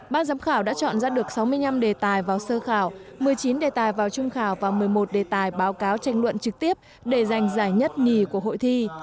ban giám khảo đã chọn ra được sáu mươi năm đề tài vào sơ khảo một mươi chín đề tài vào trung khảo và một mươi một đề tài báo cáo tranh luận trực tiếp để giành giải nhất nhì của hội thi